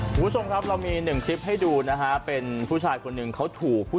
คุณผู้ชมครับเรามีหนึ่งคลิปให้ดูนะฮะเป็นผู้ชายคนหนึ่งเขาถูกผู้